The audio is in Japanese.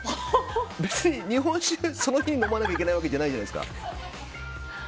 別に日本酒、その日に飲まなきゃいけないわけじゃないじゃないですか。